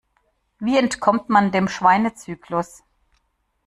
Wie entkommt man dem Schweinezyklus?